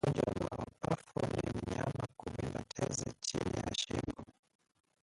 Dalili ya ugonjwa wa mapafu ni mnyama kuvimba tezi chini ya shingo